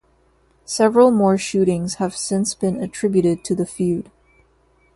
Several more shootings have since been attributed to the feud.